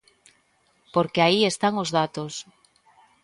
Porque aí están os datos.